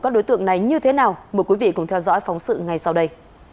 các đối tượng này như thế nào mời quý vị cùng theo dõi phóng sự ngay sau đây